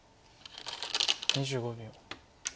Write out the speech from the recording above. ２５秒。